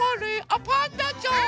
あパンダちゃん！